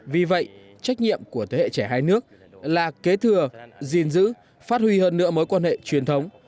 vì vậy trách nhiệm của thế hệ trẻ hai nước là kế thừa gìn giữ phát huy hơn nữa mối quan hệ truyền thống